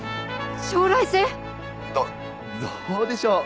将来性⁉どどうでしょう